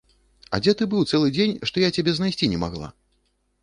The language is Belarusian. А дзе ты быў цэлы дзень, што я цябе знайсці не магла?